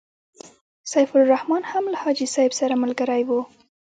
سیف الرحمن هم له حاجي صاحب سره ملګری وو.